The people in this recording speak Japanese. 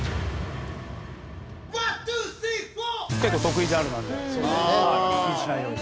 結構得意ジャンルなので屈しないように。